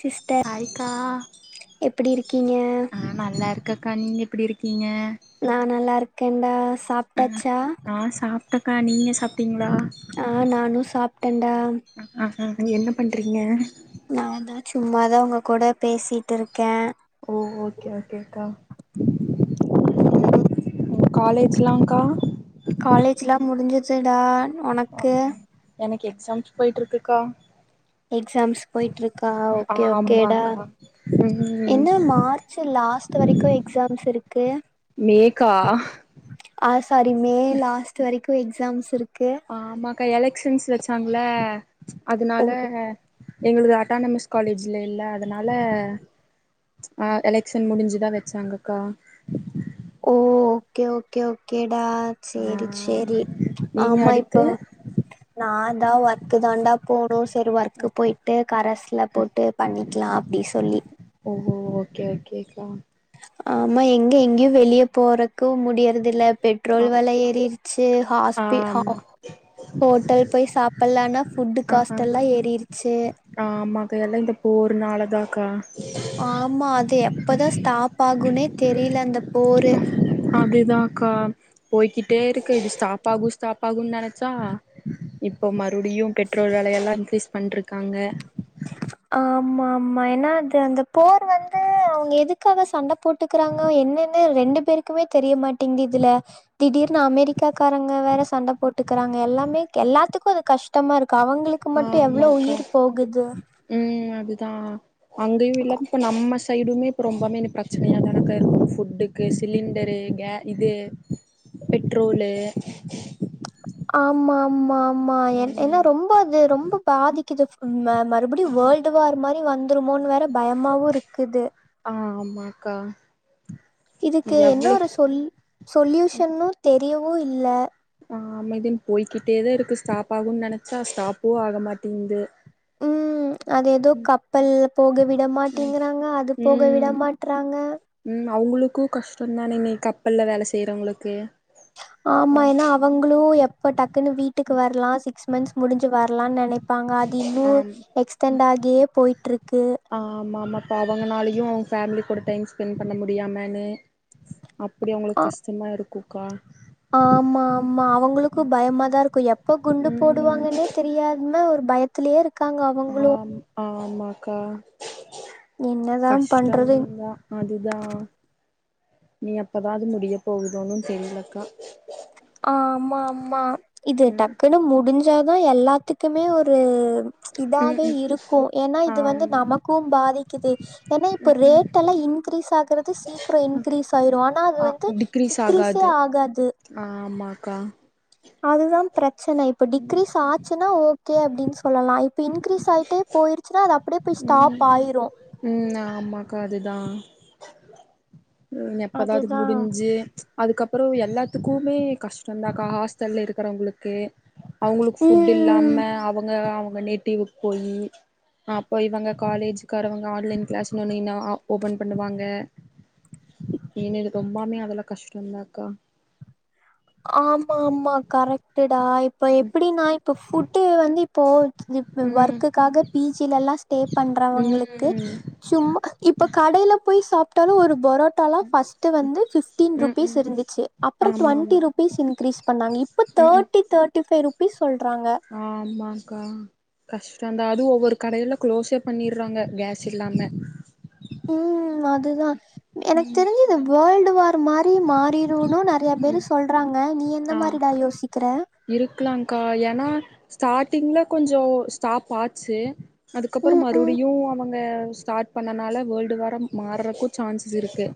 Sister ஹாய்கா எப்டி இருக்கீங்க ஆ நல்லா இருக் க்கா நீங்க எப்டி இருக்கீங்க நா நல்லா இருக்கேன்டா சாப்டாச்சா அக்கா நீ சாப்டிங்களா அ நானும் சாப்டேன்டா அ அ என்ன பண்றீங்க நா தா சும்மாதா உங்க கூட பேசிட்டு இருக்கேன் ஓ ஓகே ஓகேக்கா உம் காலேஜ்லாக்கா காலேஜ்லா முடிஞ்சுச்சுடா உனக்கு எனக்கு எக்ஸாம்ஸ் போய்ட்ருக்குக்கா எக்ஸாம்ஸ் போய்ட்டு இருக்கா ஓகே ஓகே டா ஆமாக்கா ம் என்ன மார்க் சு லாஸ்ட்டு வரைக்கு எக்ஸாம்ஸ் இருக்கு மேக்கா ஆஹ் சாரி மே லாஸ்ட் வரைக்கு எக்ஸ்ஸாம்ஸ்‌ இருக்கு ஆமாக்கா எலெக்ஷன்ஸ் வச்சாங்ள ஓ அதனால எங்கள்து அட்டானமஸ் காலேஜ் இல்லல்ல அதனால ஆஹ் எலெக்ஷன் முடிஞ்சுதா வச்சாங்கக்கா ஓ ஓகே ஓகே ஓகே டா சேரி ஆ சேரி நீங்க ஆமா இப்போ அடுத்து நா தா ஒர்க்கு தாண்டா போனு சரி ஒர்க்கு போய்ட்டு கரஸ்ல போட்டு பண்ணிக்லா அப்டி சொல்லி ஓஹோ ஓகே ஓகேக்கா ஆமா எங்க இங்கயு வெளிய போறக்கு முடியறதுல்ல ஆ பெட்ரோல் வெல ஏறிடுச்சு ஹாஸ்பி ஹா ஆமா ஹோட்டல் போய் சாப்புலானா ஃபுட்டு காஸ்டல்லா ஏறிருச்சு ஆஹ் ஆமாக்கா எல்லா இந்தப் போரு நாளதாக்கா ஆமா அது எப்பதா ஸ்டாப் ஆகுன்னே தெரில அந்த போரு அப்டிதாக்கா போய்க்கிட்டே இருக்கு இது ஸ்டாப் ஆகு ஸ்டாப் ஆகுன்னு நெனச்சா இப்போ மறுபடியு பெட்ரோல் வெலையெல்லா இன்கிரீஸ் பண்ட்டுருக்காங்க ஆமா ஆமா ஏன்னா அது அந்த போர் வந்து அவங்க எதுக்காக சண்ட போட்டுக் இருக்குறாங்க என்னன்னே ரெண்டு பேருக்குமே தெரிய மாட்டேங்குதுதுல திடீர்னு அமெரிக்க க்காக்காரங்க வேற சண்ட போட்டுக்கிறாங்க எல்லாமே எல்லாத்துக்கு அது கஷ்டமா இருக் கவங்களுக்கு மட்டு எவ்ளோ உயிர் போகுது உம் அதுதா அங்கயு இல்லாம இப்ப நம்ம சைடுமே இப்ப ரொம்பமே பிரச்சனையா தானேக்கா இருக்கு ஃபுட்டு க்கு சிலிண்டரு கே இது பெட்ரோலு ஆமா ஆமா ஆமா என் ம் ஏன்னா ரொம்ப அது ரொம்ப பாதிக்குது ஃபுல் மெம மறுபடி ஆ வேர்ல்டு வார் மாரி வந்துருமோன்னு வேற பயமாவு இருக்குது ஆஹ் ஆமாக்கா இதுக்கு என்ன எவ்ளோ ஒரு சொல் சொல்யூஷன்னு தெரியவு இல்ல ஆ அமைதின்னு போய்கிட்டேதா இருக்கு ஸ்டாப் ஆகுன்னு நினச்சா ஸ்டாப்பு ஆகமாட்டேங்து உம் அது ஏதோ கப்பல் போக ம் விடமாட்டிங்கிறாங்க அது போக ம் விடமாட் ட்ராங்க ம் அவுங்களுக்கு கஷ்டோ தானே இனி கப்பல்ல வேல செய்றவங்களுக்கு ஆமா ஏன்னா அவங்களு எப்ப டக்குன்னு வீட்டுக்கு வரலா சிக்ஸ் மந்த்ஸ் முடிஞ்சு வரலான்னு நெனைப் ப்பாங்க அது இன்னு எக்ஸ்டெண்ட் ஆயிட்டே போய்ட்டுருக்கு ஆ ஆமா ஆமா இப்ப அவங்கனாலயையு அவங்க ஃபேமிலி கூட டைம் ஸ்பெண்ட் பண்ண முடியாமன்னு அப்டி ஆ அவங்களுக்கு கஷ்டமா இருக்குக்கா ஆமா ஆமா அவங்களுக்கு பயமா தா இருக்கு எப் எப்போ குண்டு ம் போடுவாங்கன்னே தெரியாம ஒரு பயத்லயே இருக்காங்க அவுங்களு ஆம் ஆமாக்கா என்னதாம் பண்றதுங் கஷ்டந்தா அதுதா நீ எப்பதா அது முடியப் போகுதோனு தெரிலக்கா ஆமா ஆமா இது ம் டக்குன்னு முடிஞ்சு சாதா எல்லாத்துக்குமே ஒரு ம் இதாவே ம் இருக்கு ஏன்னா இது வந்து ஆமா நமக்கும் பாதிக்கிது என்னா இப்ப ரேட்டெல்லா இன்கிரீஸ் ஆகறது சீக்ரோ இன்கிரீஸ் ஆயிரு ஆனா அது ஆ வந்து டிக்ரீஸ் டிக்ரீஸே ஆகாது ஆகாது ஆமாக்கா அதுதாம் பிரச்சன இப்ப டிக்ரீஸ் ஆச்சுன்னா ஓகே அப்டின்ச் சொல்லலா இப்ப இன்கிரீஸ் ஆயிட்டேப் போயிருச்சுனா அது அப்டியேப் ம் ம் ஆமாக்கா அதுதா ம் எப்போதா அது அதுதா முடிஞ்சி அதுக்கப்புறோ எல்லாத்துக்குமே கஷ்டந்தாக்கா ஹாஸ்டல்ல இருக் க்கறவுங்ளுக்கு அவுங்குளுக் ஃபுட் ம் இல்லாம அவுங்க அவுங்க நேட்டிவுக் போயி அப்போ இவங்க காலேஜக்காரவங்க ஆன்லைன் கிளாஸ்னு ஒன்னு இன்னா ஆ ஓப்பன் பண்ணுவாங்க இனி இது ரொம்பாமே அதுல கஷ்டந்தாக்கா ஆமா ஆமா கரெக்ட்டுடா இப் போ எப்டினா இப்போ ஃபுட்டு வந்து இப்போ இதுப்ப ம் ஒர்க்குக்காக பி ஜிலல்லா ஸ்டேப் பண்றவங்களுக்கு ம் சும்மா இப்போக் கடைலப் போய் சாப்ட்டாலு ஒரு பரோட்டாலா ஃபஸ்ட்டு வந்து ஃபிஃப் டீன் ம் ருப்பீஸ் ம் இருந்துச்சு அப்பறம் ஆமா டுவென் ஆமா பீஸ் இன்கிரீஸ் பண்ணாங்க இப்போத் ம் தேர்டி தேர்டி ஃபை ருப்பீஸ் சொல்றாங்க ஆமாங்க்கா கஷ்டந்தா அது ஒவ்வொருக் கடையிலக் க்ளோஸேப் பண்ணிர்றாங்க கேஸ் இல்லாம ம் அதுதா எனக் ம் தெரிஞ்சி இத வேல்டு வாரு மாரி மாறிருனு நெறையா ம் பேரு சொல்றாங்க நீ எ இந்த ஆ மாரிடா யோசிக்கிறே இருக்கலாங்க்கா எனா ஸ்டார்டிங்ல கொஞ்சோ ஸ்டாப் ஆச்சு அதுக்கப்றோ ம் ம் மறுபுடியு அவங்க ஸ்டார்ட் பண்ணனால வேர்ல்டு வாரம் மார்றக்குத் சான்சஸ் இருக்குது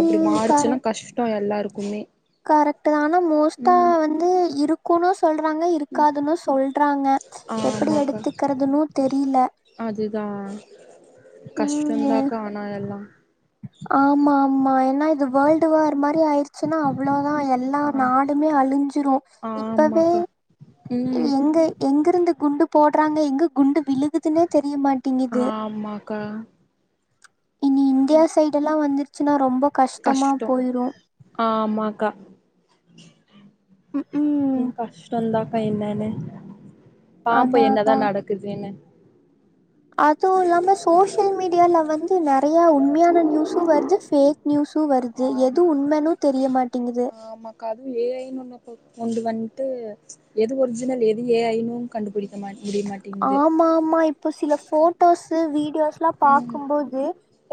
அப்டி ம் மாருச்சுனாக் கஷ்டோ எல்லாருக்குமே கரெக்ட்டுதா ஆனா மோஸ்ட்டா ம் வந்து இருக்குனு சொல்றாங்க இருக்காதுனு சொல் ட்றாங்க எப்புடி ஆமாக்கா எடுத்துக்கிறதுனு தெரில அதுதா ம். எ கஷ்டந்தாக்கா ஆனா எல்லா ஆமா ஆமா எனா இத் து வேர்ல்டு வார் மாரி ஆயிருச்சுன்னா அவ்ளோதா ஆ எல்லார் நாடுமே அழிஞ்சிரு இப்பவே ஆமாக்கா ம் எங்க எங்கிருந்து குண்டு போட்றாங்க எங்க குண்டு விழுகுதுன்னே தெரியமாட் ஆமாக்கா இனி இந்தியா சைடெல்லா வந்துருச்சுனா ரொம்பக் கஷ்டமாப் கஷ்டோ போயிரு ஆமாக்கா ம் கஷ்டந்தாக்கா என்னனு பாப்போ அதான், என்னதான் அதான். நடக்குதுன்னு அது இல்லாம சோஷியல் மீடியால வந்து நெறையா உண்மையான நியூஸு வருது ஃபேக் நியூஸு வருது எது ஆமா உண்மேன்னு தெரிய மாட்டேங்கிது காது ஏ ஐனு ஒன்னு வெப்போ கொண்டு வந்ட்டு எது ஒரிஜினல் எது ஏ ஐனு கண்டுபிடிக்க மாட் ஆமா ஆமா இப்போ சில போட்டோஸு வீடியோஸ்ல்லா ம் பாக்கும்போது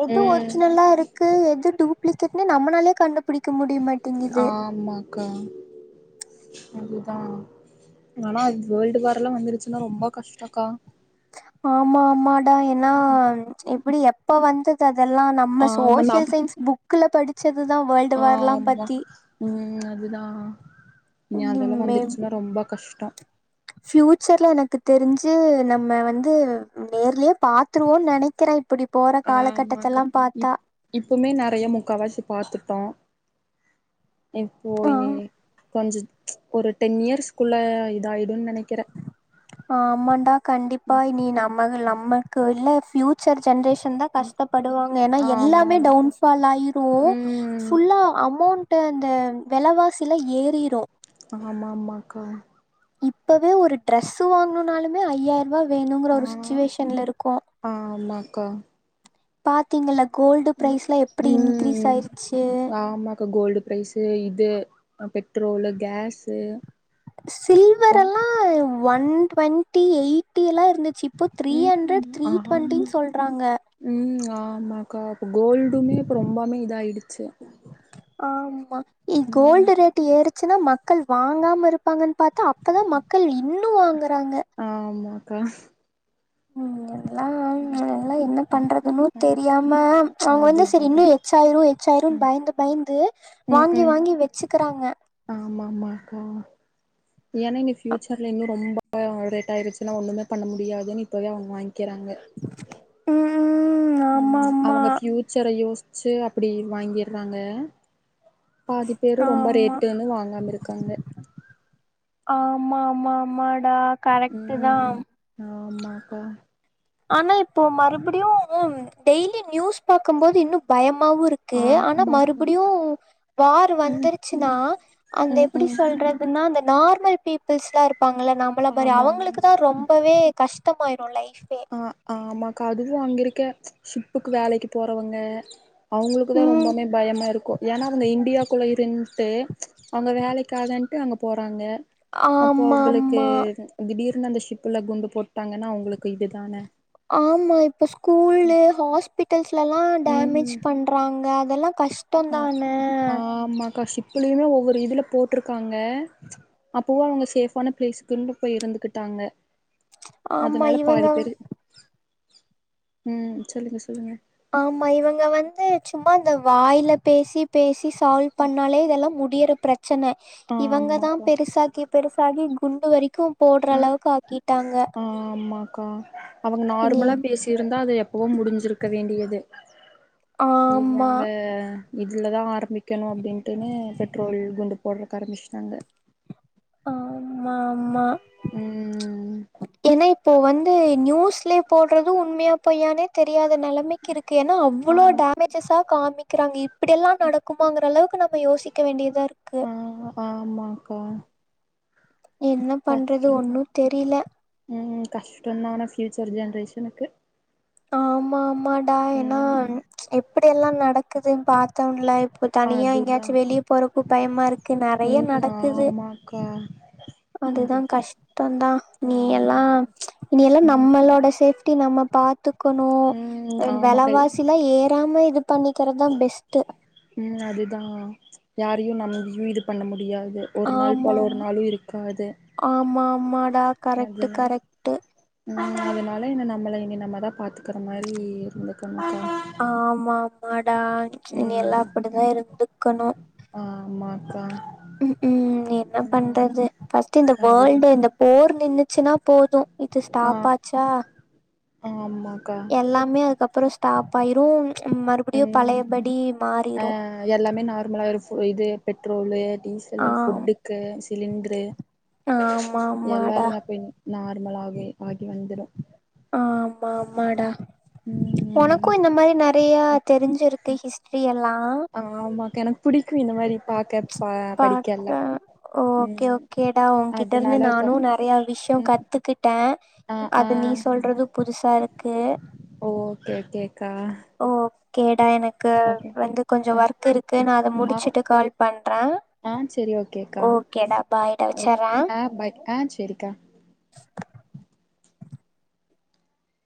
எது ம் ஒரிஜினல்லா இருக்கு எது டூப்ளிகேட்ன்னே நம்மளாலே கண்டுபிடிக் ஆமா க்கா அதுதா ஆனா அது வேர்ல்டு வார்ல்லா வந்துருச் ஆமா ஆமாடா என்னா இப்டி எப்ப வந்தது அதெல்லா நம்ம ஆமா சோசியல் நம் சயின்ஸ் புக் குள படிச்சது தா வேர்ல்டு வார்லா ஆமா பத்தி ம் அதுதா இனி ம் அதெல்லா மேம் வந்திருச்சினா ரொம்ப கஷ்டோ ஃபியூச்சர்ல எனக்கு தெரிஞ்சு நம்ம வந்து நேர்லேயே பாத்துருவோ நெனைக்கிறே இப்டி போற ஆமாக்கா காலகட்டத்தெல்லா பாத்தா இப் இப்பமே நெறையா முக்காவாசி பாத்துட்டோ இப்போ ஆ இனி கொஞ்சோ ஒரு டென் இயர்ஸ்குள்ள இதாயிடு நெனைக்கிறே ஆமாடா கண்டிப்பா இனி நம்ம நமக்கு இல்ல ஃபியூ ச்சர் ஜென்ரேஷன் தா கஷ்டப்படுவாங்க ஏனா ஆ ஆமா எல்லாமே ஆமாக்கா டவுன்ஃபால் ஆயிரு ம் ஃபுல்லா அமௌண்டு அந்த விலைவாசில ஏறிரு ஆமா ஆமாக்கா இப்பவே ஒரு டிரெஸ்சு வாங்கணும்னாலுமே ஐயா ருவா வேணுங்கற ஆ ஒரு சிச்சுவேஷன்ல இருக்கோ ஆமாக்கா பாத்திங்கள கோல்டு ப்ரைஸ்லா எப்டி இன்க்ரீஸ் ம் ஆயிருச்சு ஆமாக்கா கோல்டுப் ப்ரைஸு இது ஆ பெட்ரோல்லு கேஸு அப்ப சில்வரெல்லா ஒன் டுவெண்டி எயிட்டி எல்லா இருந்து சி இப்போ த்ரீ ஹண்ட்ரட் ம் த்ரீ ஆமா ட்வெண்ட்டினு சொல்றாங்க ம் ஆமாக்கா இப்ப கோல்டுமே இப்ப ரொம்பாமே இத ஆயிடுச்சு ஆமா இ ம் கோல்டு ரேட் டு ஏறுச்சுன்னா மக்கள் வாங்காம இருப்பாங்கனு பாத்தா அப்பதா மக்கள் இன்னு வாங்குறாங்க ஆமாக்கா ம் எல்லா எல்லா என்ன பண்றதுன்னு தெரியாம அவங்க வந்து சேரி அதுதாக்கா இன்னு எச்சாயிரு எச்சாயிருனு பயந்து பயந்து ம் வாங்கி ம் வாங்கி வச்சுக்குறாங்க ஆமா ஆமா அக்கா ஏனா இனி ஃப்யூச்சர்ல இன்னு ரொம்ப ரேட் ஆயிடுச்சுன்னா ஒண்ணுமே பண்ண முடியாதுன்னு இப்போவே அவுங்க வாங்கிறாங்க ம் ம் ஆமா ம் அவுங்க ஆமா ஃபியூச்சரை யோசிச்சு அப்டி வாங்கிறாங்க பாதி பேரு ரொம்ப ஆமா ரேட்டுன்னு வாங்காம இருக்காங்க ஆமா ஆமா ஆமாடா கரெக்ட் தா ம் ஆமாக்கா ஆனா இப்போ மறுபடியு டெய்லி நியூஸ் பாக்கம்போது இன்னு பயமாவு இருக் கு ஆனா ஆமாக்கா மறுபடியு வார் வந்துருச்சுன்னா அந்த ம் எப்டி ம் சொல்ற துன்னா அந்த நார்மல் பீப்புள்ஸ்லா இருப்பாங்கள்ல நம்மள மாரி ஆமாமா அவுங்களுக்கு தா ரொம்பவே கஷ் டமா ஆயிரு ஃலைபே அ ஆமாக்கா அதுவு அங்க இருக்க ஷிப்புக்கு வேலைக்கு போறவங்க அவுங்களுக்கு தா ம் ரொம்பவே பயமா இருக்கு ஏனா அவுங்க இந்தியாக்குள்ள இருந்துட்டு அவுங்க வேலைக்காதன்ட்டு அங்க போறாங்க அப்போ ஆமா அவுங்களுக்கு ஆமா திடீர்னு அந்த ஷிப்புல குண்டு போட்டாங்கன்னா அவுங்களுக்கு இதுதானே ஆமா இப்ப ஸ்கூல்ல ஹாஸ்பிட்டல்ஸ்லலா டாமேபிஜ் பண் ட்றாங்க அதெல்லா கஷ் அ ஆமாக்காஷ் இப்பயிமே ஒவ்வொரு இதுல போட்டிருக்காங்க அப்பவு அவங்க சேஃபான பிளேஸ்க்குன்னு போய் இருந்துகிட்டாங்க ஆமா அதனால பாதி இவங்க பேரு ம் சொல்லுங்க சொல்லுங்க ஆமா இவங்க வந்து சும்மா இந்த வாயில பேசி பேசி சால்வ் பண்ணாலே இதெல்லா முடியற பிரச்சன இவங்க தா ஆமாக்கா பெருசாக்கி பெருசாகி குண்டு வரைக்கு போடுற அளவுக்கு ஆக்கிட்டாங்க ஆமாக்கா அவங்க இனி நார்மலா பேசியிருந்தா அது எப்பவோ முடிஞ்சிருக்க வேண்டியது ஆமா இவங்க இதில தா ஆரம்பிக்கணு அப்டின்ட்டுனே பெட்ரோல் குண்டு போடுறக் ஆரமிச்டாங்க ஆமா ஆமா ம் ஏன்னா இப்போ வந்து நியூஸ்லயே போடுறது உண்மையா பொய்யானே தெரியாத நெலமைக்கு இருக்கு ஏன்னா அவ்ளோ ஆம் டேமேஜஸா காமிக்கிறாங்க இப்டில்லா நடக்குமாங்குற அளவுக்கு நம்ம யோசிக்க வேண்டியதா இருக்கு ஆ ஆமாக்கா என்ன பண்ணுறது கஷ்டம் ஒன்னு தெரியில ம் கஷ்டோ தா ஆனா ஃபியூச்சர் ஜென்ரேஷனுக்கு ஆமா ஆமாடா ஏன்னா ம் எப்டி எல்லா நடக்குதுன்னு பாத்தோம்ல இப் இப்ப தனியா அதுதா எங்கயாச்சு வெளிய போறக்கு பயமா இருக்கு நறைய ம் நடக்குது ஆமாக்கா அதுதா கஷ்டதா நீ எல்லா ஆமாக்கா இனி எல்லா ம் நம்மளோட சேஃப்டி நம்ம பாத் க்குனு ம் ஆமாக்கா வெலவாசிலா ஏறாம இது பண்ணிக்கறதா பெஸ்ட்டு ம் அதுதா யாரையு நம்பியு இது பண்ண முடியாது ஒரு நாள் ஆமா போல ஒரு நாளு இருக்காது ஆமா மாடா அதுன ம் அதனால என்ன நம்மள இனி நம்ம தா பாத்துக்கிற மாரி இருந்துக்கனுகா ஆமா ஆமாடா நீ எல்லா ம் அப்டித்தா இருந்துக்கணு ஆமாக்கா ம் என்ன ம் பண்றது ஃபஸ்ட் இந்த அதுதா வேர்ல்டு இந்த போர் நின்ச்சுனா போது இது ஆ ஸ்டாப் ஆச்சா ஆமாக்கா எல்லாமே அதுக்கப்புறோ ஸ்டாப் ஆயிரு மறுபடியு ம் பழையபடி ஆ மாறிரு எல்லாமே நார்மலா இது பெட்ரோலு டீசலு ஆம் ஃபுட்டுக்கு சிலிண்டரு ஆமா ஆமாடா எல்லாரஅப்பின் நார்மல் ஆகி ஆகி வந்துரு ஆ ஆமா ஆமாடா ம் உனக்கு இந்த மாரி ந தீயா தெரிஞ்சிருக்கு ஹிஸ்ட்ரி எல்லா ஆ ஆமா எனக்கு பிடிக்கு இந்த மாரி பாக்க படிக்க எல்லா பாக்க ஓகே ம் ஓகேடா உன்கிட்ட இருந்து அதனால உக்கா நானு நிறைய விஷயோ ம் கத்துக்கிட்டே ஆ ஆ அது நீ சொல்றது புதுசா இருக்கு ஓகே ஓகே கா ஓ கேடா எனக் கு வந்து கொஞ்சம் ஆ ஒர்க் இருக்கு நா அத ஆ முடிச்சுட்டு கால் பண்றே ஆ செரி ஓகேக்கா ஓகேடா பாய்டா ஓ வச்சுட்ற ஆ பாய் ஆ செரிக்கா